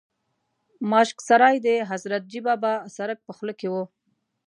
ماشک سرای د حضرتجي بابا سرک په خوله کې و.